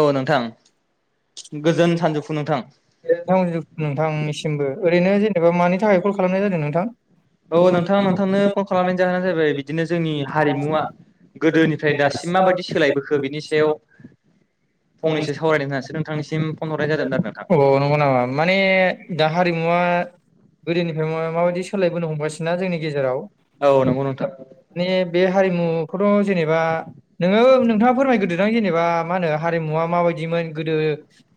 औ नों थां। [unintelligible] नोंथांनिसिमबो ओरैनो जे एबा मानि थाखाय कल खालामनाय जादों नोंथां? औ नोंथां नोंथांनो फन खालामनायनि जाहोना जाहैबाय बिदिनो जोंनि हारिमुआ गोदोनिफ्राय दासिम माबायदि सोलायबोखो बिनि सायाव फंनैसो सावरायनो होननासो नोंथांनिस अ नंगौ नामा माने दा हारिमुवा गोदोनि [unintelligible] माबायदि सोलायबोनो हमगासिनो ना जोंनि गेजेराव। औ नंगौ नोंथां। बे हारिमुखौथ' जेनेबा नोङो नोंथाङा फोरमायग्रोदो दां जेनेबा मा होनो हारिमुवा माबायदिमोन गोदो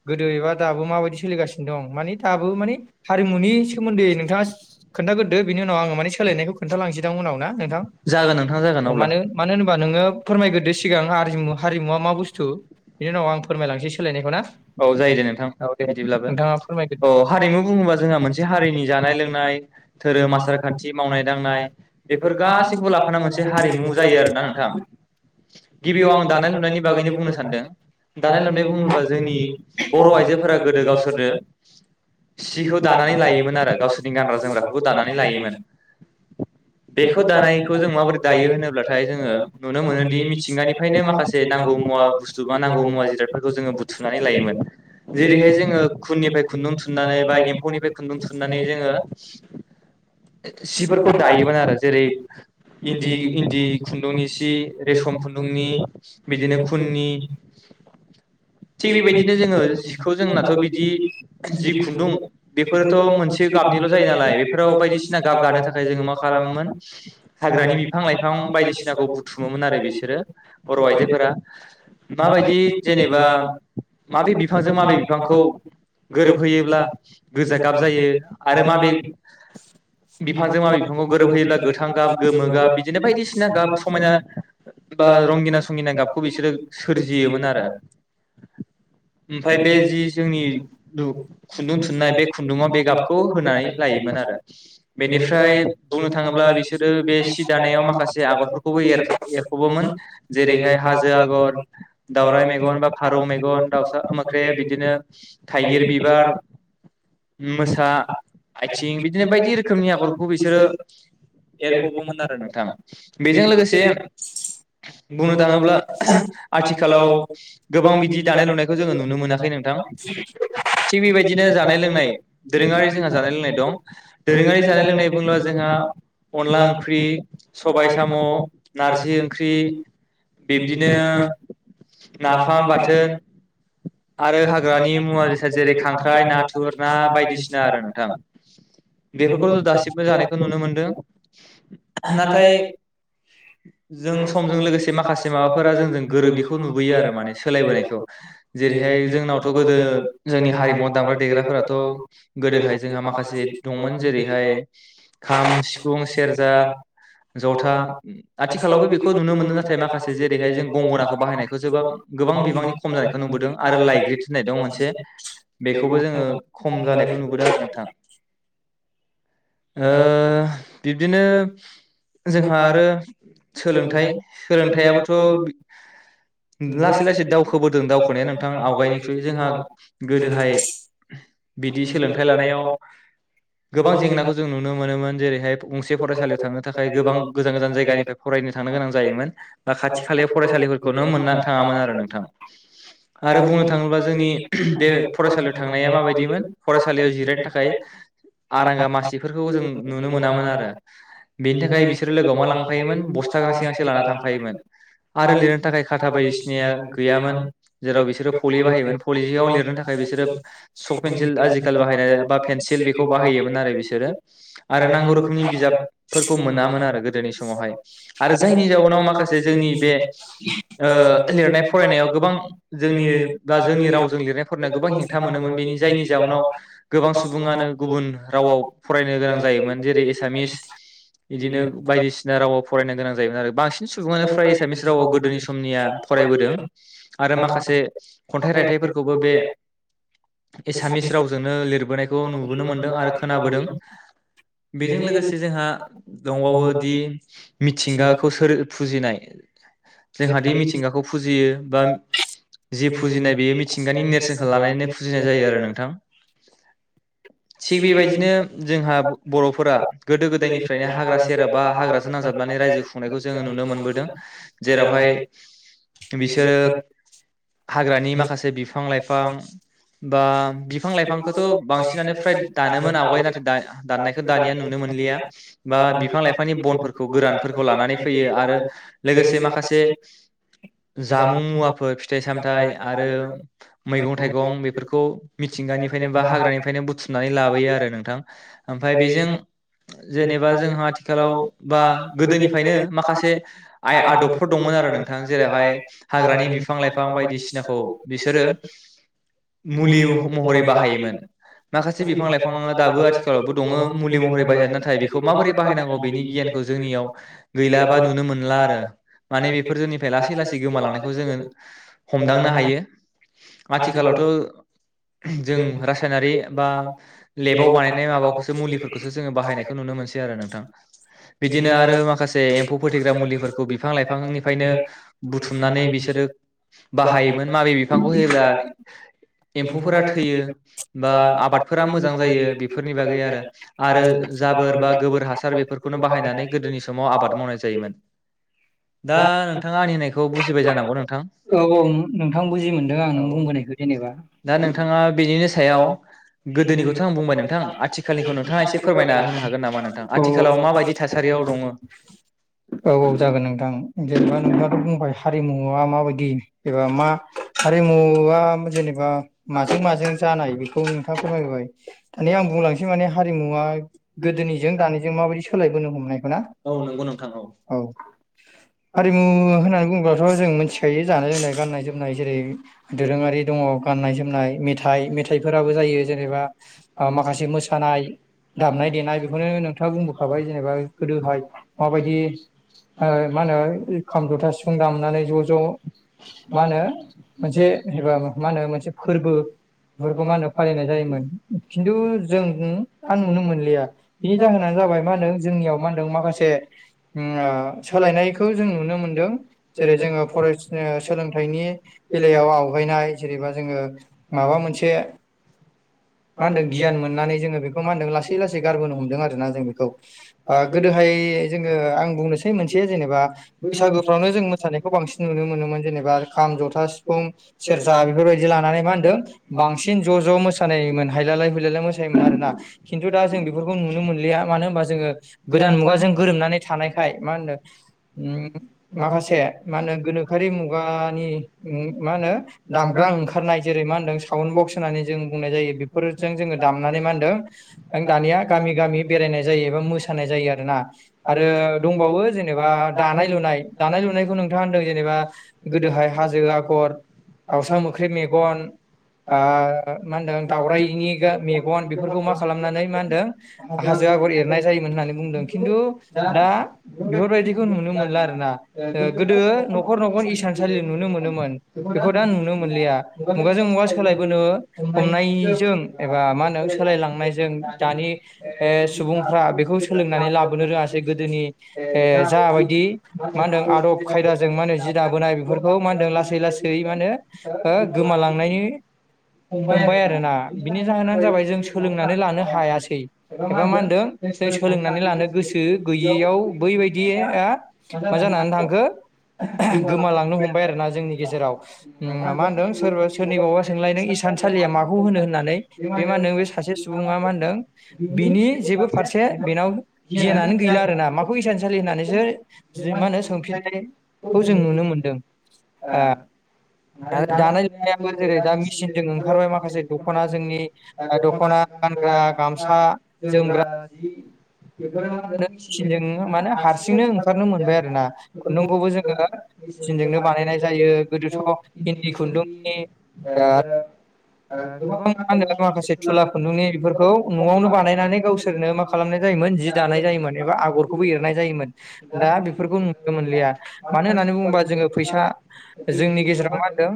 गोदो एबा दाबो माबायदि सोलिगासिनो दं माने दाबो माने हारिमुनि सोमोन्दै नोंथाङा खोन्थाग्रोदो बिनि उनाव आङो माने सोलायनायखौ खोन्थालांनोसै दां उनाव ना नोंथां मानो मान होनबा नोङो फोरमायग्रोदो सिगां हामु हारिमुवा मा बुस्थु? बिनि उनाव आं फोरमायलांनोसै सोलायनायखौ ना। औ जायो दे नोंथां बिदिब्लाबो औ हारिमु बुङोबा जोंहा मोनसे हारिनि जानाय-लोंनाय, धोरोम, आसार-खान्थि मावनाय दांनाय बेफोर गासैखौबो लाफाना मोनसे हारिमु जायो आरोना नोंथां। गिबियाव आं दानाय-लुनायनि बागैनो बुंनो सानदों। दानाय लुनाय बुङोब्ला जोंनि बर' आइजोफोरा गोदो गावसोरनो सिखौ दानानै लायोमोन आरो गावसोरनि गानग्रा जोमग्राफोरखौ दानानै लायोमोन। बेखौ दानायखौ जों माबोरै दायो होनोब्लाथाय जोङो नुनो मोनोदि मिथिंगानिफ्रायनो माखासे नांगौ मुवा बुस्थु बा नांगौ मुवा जिरादफोरखौ जोङो बुथुम नानै लायोमोन। जेरैहाय जोङो खुननिफ्राय खुन्दुं थुननानै बा एम्फौनिफ्राय खुन्दुं थुननानै जोङो सिफोरखौ दायोमोन आरो जेरै इन्दि इन्दि खुन्दुंनि सि रेसम खुन्दुंनि बिदिनो खुननि थि बेबायदिनो जों ओ जिखौ जोंनाथ' बिदि जि खुन्दुं बेफोरोथ' मोनसे गाबनिल' जायो नालाय बेफोराव बायदिसिना गाब गानो थाखाय जोङो मा खालामोमोन हाग्रानि बिफां-लाइफां बायदिसिनाखौ बुथुमोमोन आरो बिसोरो बर' आइजोफोरा माबायदि जेनेबा माबे बिफांजों माबे बिफांखौ गोरोबहोयोब्ला गोजा गाब जायो आरो माबे बिफांजों माबे बिफांखौ गोरोबहोयोब्ला गोथां गाब गोमो गाब बिदिनो बायदिसिना गाब समायना बा रंगिना संगिना गाबखौ बिसोरो सोरजियोमोन आरो। ओमफ्राय बे जि जोंनि दु खुन्दुं थुननाय बे खुन्दुङाव बे गाबखौ होनाय लायोमोन आरो। बेनिफ्राय बुंनो थाङोब्ला बिसोरो बे सि दानायाव माखासे आगरफोरखौबो एरफ'बोमोन जेरैहाय हाजो आगर, दावराइ मेगन बा फारौ मेगन ओ मोख्रे बिदिनो थाइगिर बिबार, मोसा आथिं बिदिनो बायदि रोखोमनि आगरखौ बिसोरो एरफबोमोन आरो नोंथां बेजों लोगोसे बुंनो थाङोब्ला [unintelligible] आथिखालाव गोबां बिदि दानाय-लुनाय खो जोङो नुनो मोनाखै नोंथां थिग बेबायदिनो जानाय लोंनाय दोरोङारि जोंहा जानाय लोंनाय दं। दोरोङारि जानाय लोंनाय बुङोब्ला जोंहा अनला ओंख्रि, स'बाय, साम', नारजि ओंख्रि बेबदिनो ना फाम बाथोन आरो हाग्रानि मुवा बेसाद जेरै खांख्राइ नाथुर ना बायदिसिना आरो नोंथां। बेफोरखौ दासिमबो जानायखौ नुनो मोनदों नाथाय जों समजों लोगोसे माखासे माबाफोरा जों जों गोरोबिखौ नुबोयो आरो माने सोलायबोनायखौ। जेरैहाय जोंनावथ' गोदो जोंनि हारिमुवआव दामग्रा देग्राफोराथ' गोदोहाय जोंहा माखासे दंमोन जेरैहाय खाम सिफुं सेरजा जथा आथिखालावबो बेखौ नुनो मोनो नाथाय माखासे जेरैहाय जों गंगनाखौ बाहायनायखौ गोबां गोबां बिबांनि खम नुबोदों आरो लाइग्रिथ होननाय दं मोनसे बेखौबो जोङो खम जानायखौ नुबोदों आरो नोंथां। ओ बिब्दिनो जोंहा आरो सोलोंथाइ सोलोंथायाबोथ' लास लासै लासै दावखोबोदों दावखोनाया नोंथां आवगायनिख्रुइ जोंहा गोदोहाय बिदि सोलोंथाइ लानायाव गोबां जेंनाखौ जों नुनो मोनोमोन जेरैहाय गंसे फरायसालियाव थांनो थाखाय गोबां गोजान गोजान जायगानिफ्राय फरायनो थांनो गोनां जायोमोन बा खाथि खालायाव फरायसालिफोरखौनो मोनना थाङामोन आरो नोंथां आरो बुंनो थाङोब्ला जोंनि बे फरायसालियाव थांनाया माबायदिमोन फरायसालियाव जिरायनो थाखाय आरांगा मासिफोरखौ जों नुनो मोनामोन आरो बेनि थाखाय बिसोरो लोगोआव मा लांफायोमोन बस्था गांसे गांसे लाना थांफायोमोन आरो लिरनो थाखाय खाथा बायदि सि नियागैयामोन जेराव बिसोरो पलि बाहायोमोन पलिआव लिरनो थाखाय बिसोर सपपेन पेनसिल आजिखालि बाहायनाय बा पेनसिल बेखौ बाहायोमोन आरो बिसोरो आरो नांगौ रोखोमनि बिजाबफोरखौ मोनामोन आरो गोदोनि समावहाय आरो जायनि जाउनाव माखासे जोंनि बे ओ लिरनाय फरायनायाव गोबां जोंनि बा जोंनि रावजों लिरनाय फरायनायाव गोबां हेंथा मोनोमोन बेनि जायनि जाउनाव गोबां सुबुङानो गुबुन रावाव फरायनो गोनां जायोमोन जेरै एसामिस बिदिनो बायदिसिना रावाव फरायनो गोनां जायोमोन। आरो बास सुबुङानो फ्राय एसामिस राव गोदोनि समनिया फरायबोदों आरो माखासे खन्थाइ रायथाइफोरखौबो बे एसामिस रावजोंनो लिरबोनायखौ नुबोनो मोनदों आरो खोनाबोदों । बेजों लोगोसे जोंहा दंबावो दि मिथिंगाखौ सोर फुजिनाय? [unintelligible] जोंहादि मिथिंगाखौ फुजियो बा जि फुजिनाय बेयो मिथिंगानि नेरसोनखौ लानानै फुजिनाय जायो आरो नोंथां। थिग बेबायदिनो जोंहा बरफोरा गोदो गोदायनिफ्रायनो हाग्रा सेरा बा हाग्रासो नांजाबनानै रायजो खुंनायखौ जोंङो नुनो मोनबोदों जेरावहाय बिसोरो हाग्रानि माखासे बिफां लाइफां बा बिफां लाइफांखौथ बांसिनानोफ्राय दानोमोन आवगाय नाथाय दा दाननायखौ दानिया नुनो मोनलिया बा बिफां लाइफांनि बनफोरखौ गोरानफोरखौ लानानै फैयो आरो लोगोसे माखासे जामुं मुवाफोर फिथाइ सामथाय आरो मैगं थाइगं बेखौ मिथिंगानिफ्रायनो बा हाग्रानिफ्रायनो बुथुमनानै लाबोयो आरो नोंथां ओमफ्राय बेजों जेनेबा जोंहा आथिखालाव बा गोदोनिफ्रायनो माखासे आइ आदबफोर दंमोन आरो नों जेरैहाय हाग्रानि बिफां लाइफां बायदिसिनाखौ बिसोरो मुलि महरै बाहायोमोन माखासे बिफां लाइफाङा दाबो आथिखालावबो दङ मुलि महरै बाहायोन नाथाय बेखौ माबोरै बाहायनांगौ बेनि गियानखौ जोंनियाव गैला बा नुनो मोनला आरो माने बे फोर जोंनिफ्राय लासै लासै गोमालांनायखौ जोंङो हमदांनो हायो आथिखालावथ जों रासायनारि बा लेबाव बानायनाय माबाखौसो मुलिफोरखौसो जोंङो बाहायनायखौ नुनो मोनसै आरो नोंथां बिदिनो आरो माखासे एम्फौ फोथेग्रा मुलिफोरखौ बिफां लाइफांनि नो बुथुमनानै बिसोरो बाहायोमोन माबे बिफांखौ होयोब्ला [unintelligible] एम्फौफोरा थैयो बा आबादफोरा मोजां जायो बेफोरनि बागै आरो आरो जाबोर बा गोबोर हासार बेफोरखौनो बाहायनानै गोदोनि समाव आबाद मावनाय जायोमोन औ औ नो-नोंथां बुजि मोनदों आं नों बुंबोनायखौ जेनेबा नोंथाङा बेनि सायाव गोदोनिखौथ आं बुंबाय नोंथां आथिखालनिखौ नोंथाङा एसे फोरमायना होनो हागोन नामा नोंथां आथिखालाव माबायदि थासारियाव दङ जेनेबा नोंथांङा बुंबाय हारि हुआ माबायदि एबा मा हारिमुआ जेनेबा माजों माजों जानाय बेखौ नोंथाङा फोरमायबोबाय दानिया आं बुंलांनोसै माने हारिमुवआ गोदोनिजों दानिजों माबायदि सोलायबोनो हमनायखौ ना औ हारिमु होननानै बुं जों मिथिखायो जानाय लोंनाय गाननाय जोमनाय जेरै दोरोङारि दङ गाननाय जोम नाय मेथाइ मेथाइफोराबो जायो जेनेबा माखासे मोसानाय दामनाय देनाय बेखौनो नोंथाङा बुंबोखाबाय जेनेबा गोदोहाय माबायदि ओ माहोनो खाम जथा सिफु फुं दामनानै ज ज मा होनो मोनसे एबा मा होनो मोनसे फोर्बोबो मा होनो फालिनाय जायोमोन खिन्थु जों दा नुनो मोनलिया बिनि जाहोनानो जाबाय मा होनदों जोंनियाव मा होनदों माखासे ओ सोलायनायखौ जों नुनो मोनदों जेरै जोङो फराय सोलोंथाइनि बेलायाव आवगायनाय जेनेबा जोङो माबा मोनसे मा होनदों गियान मोननानै जोङो बेखौ मा होनदों लासै लासै गारबोनो हमदों आरोना जों बेखौ ओ गोदोहाय जोङो आं बुंनोसै मोनसे जेनेबा बैसागुफ्रावनो जों मोसानायखौ बांसिन नुनो मोनोन जेनेबा खाम जथा सिफुं सेरजा बेफोरबायदि लानानै मा होनदों बांसिन ज ज मोसानायोमोन हायलालाय हुलालाय मोसायोमोन आरोना खिन्थु दा जों बेफोरखौ नुनो मोनलिया मानो होनबा जोङो गोदान मुगाजों गोरोबनानै थानायखाय मा होनदों उम माखासे से मा होनो गोनोखोआरि मुगानि उम मा होनो दामग्रा ओंखारनाय जेरै मा होनदों साउनद बक्स होननानै जों बुंनाय जायो बेफोरजों जोङो दामनानै मा होनदों जों दानिया गामि गामि बेरायनाय जायो एबा मोसानाय जायो आरोना आरो दंबावो जेनेबा दानाय लुनाय दानाय लुनाय [unintelligible] होनदों जेनेबा गोदोहाय हाजो आगर दाउस्रा मोख्रेब गन आ मा होनदों दाावरायनि मेगन बेफोरखौ मा खालामनानै मा होनदों हाजो आगर एरनाय जायोमोन होननानै बुंदों खिन्थु दा बेफोरबायदिखौ नुनो मोनला आरोना ओ गोदो न'खर न'खर इसानसालि नुनो मोनोमोन बेखौ दा नुनो मोनलिया मुगाजों मुगा सोलायबोनो हमनायजों एबा मा होनदों सोलायलांनायजों दानि सुबुंफ्रा बेखौ सोलोंनानै लाबोनो रोङासै गोदोनि जाबायदि मा होनदों आदब खायदाजों मा होने जि द बोनाय बेफोरखौ मा होनदों लासै लासै माने गोमालांनायनि हमबाय आरोना बिनि जाहोनानो जाबाय जों सोलोंनानै लानो हायासै एबा मा होनदों जों सोलोंनानै लानो गोसो गैयियाव बैबायदि मा जानानै थांखो गोमालांनो हमबाय आरोना जोंनि गेजेराव उम मा होनदों सोरनिबावबा सोंलाय नों इसानसालिया माखौ होनो होननानै बे माहोनदों बे सासे सुबुंङा मा होनदों बिनि जेबो फारसे बेनाव गियानानो गैला आरोना माखौ इसानसालि होननानैसो माहोनो सोंफिननाय खौ जों नुनो मोनदों ओ आरो दानाय-लु याबो जेरै दा मेसिनजों ओंखारबाय माखासे दखना जोंनि दखना गानग्रा गामसा जोमग्रा बेफोरो मा होनो मिसिंजों माहोनो हारसिंनो ओंखारनो मोनबाय आरोना खुन्दुंखौबो जों सिनजोंनो बानायनाय जायो गोदोथ इन्दि खुन्दुं नि ओ आरो गोबां मा होनो माखासे थुला खुन्दुंनि बेफोरखौ न'आवनो बानायनानै गावसोरनो मा खालामनाय जायोमोन जि दानाय जायोमोन एबा आगरखौबो एरनाय जायोमोन दा बेफोरखौ नुनो मोनलिया मानो होननानै बुङोबा जोङो फैसा जोंनि गेजेराव मा होनदों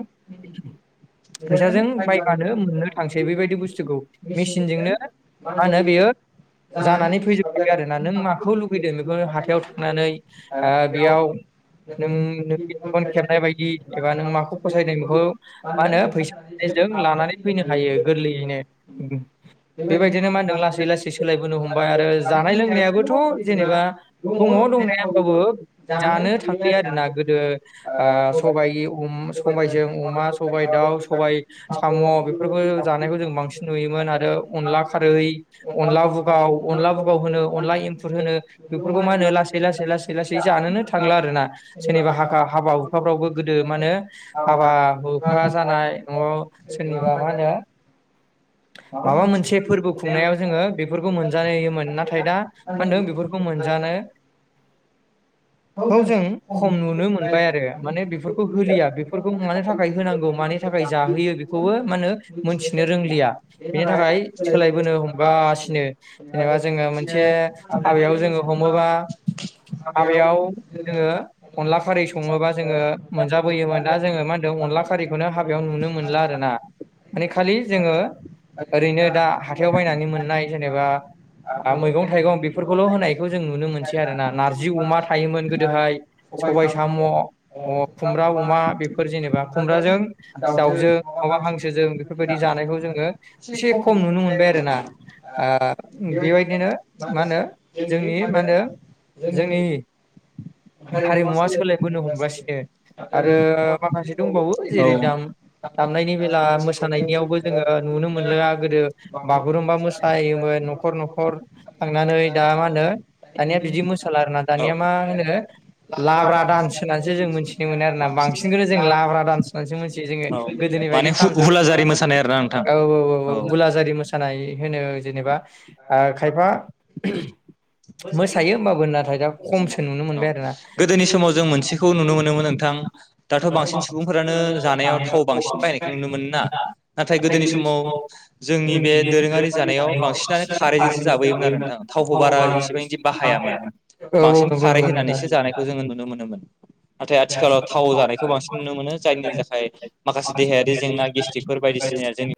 फैसाजों बायबानो मोननो थांसै बेबायदि बुस्थुखौ मेसिनजोंनो मा होनो बेयो जानानै फैजोबखायो आरोना नों माखौ लुगैदों बेखौ हाथायाव थांनानै ओ बेयाव नों नोंनि मेगन खेबनाय बायदि एबा नों माखौ फसायदों औ माहोनो फैसाजों लानानै फैनो हायो गोरलैयैनो बेबायदिनो माहोदों लासै-लासै सोलायबोनो हमबाय आरो जानाय-लोंनायाबोथ' जेनेबा दङ दंनाया होमबाबो जानो थां आरोना गोदो ओ सबाय ए अम सबाय जों अमा सबाय दाव सबाय साम' बेफोरखौ जानायखौ जों बांसिन नुयोमोन आरो अनला खारै अनला बुगाव अनला बुगाव होनो अनला एंखुर होनो बेफोरखौ माहोनो लासै लासै लासै जानोनो थांला आरोना सोरनिबा हाखा हाबा हुखाफ्रावबो गोदो मानहोनो हाबा-हुखा जानाय नआव सोरनिबा माहोनो माबा मोनसे फोरबो खुंनायाव जोंङो बेफोरखौ मोनजायोमोन नाथाय दा मा होनदों बेफोरखौ मोनजानो खौ जों खम नुनो मोनबाय आरो माने बेफोरखौ होलिया बेफोरखौ मानो थाखाय होनांगौ मानि थाखाय जाहोयो बेखौबो मा होनो मोनथिनो रोंलिया बेनि थाखाय सोलायबोनो हमगासिनो जेनेबा जोंङो मोनसे हाबायाव जोङो हमोबा हाबायाव जोंङो अनला खारै सङोबा जोंङो मोनजाबोयोमोन दा जोङो मा होनदों अनला खारिखौनो हाबायाव नुनो मोनला आरोना माने खालि जोंङो ओरैनो दा हाथायाव बायनानै मोननाय जेनेबा मैगं थाइगं बेफोरखौल' होनायखौ जों नुनो मोनसै आरो ना नारजि अमा थायोमोन गोदोहाय सबाय साम' खुमब्रा अ अमा बेफोर जेनेबा खुमब्राजों दाउजों माबा हांसोजों बेफोरबायदि जानायखौ जोङो एसे खम नुनो मोनबाय आरोना ओ बेबायदिनो मा होनो जोंनि मा होनो जोंनि हारिमुवा सोलायबोनो हमगासिनो आरो माखासे दंबावो जेरै दाम दामनायनि बेला मोसानायनियावबो जोङो नुनो मोनला गोदो बागुरुम्बा मोसायोमोन न'खर- न'खर थांनानै दा मा होनो दानिया बिदि मोसाला आरोना दानिया मा मा होनो लाब्रा दान्स होननानैजे जों मिथिनो मोनो आरोना बांसिनखौनो जों लाब्रा दान्स होननानैसो मिथियो जोङो गोदोनि बायदि खाम ज औ औ औ औ बुलाजारि मोसानाय होनो जेनेबा ओ खायफा मोसायो होमबाबो नाथाय दा खमसो नुनो मोनबाय आरोना नाथाय गोदोनि समाव जोंनि बे दोरोङारि जानायाव बांसिन खारै जोंसो जाबोयोमोन आरो नोंथां थावखौ बारा एसेबां इदि बाहायामोन बांसिन खारै होनानैसो जानायखौ जोङो नुनो मोनोमोन नाथाय आथिखालाव थाव जानायखौ बांसिन नुनो मोनो जायनि जाखाय माखासे देहायारि जेंना गेसतिकफोर बा बायदिसिनाया जोंनि